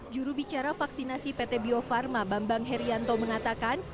juru bicara vaksinasi pt bio farma bambang herianto mengatakan